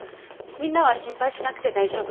みんなは心配しなくて大丈夫。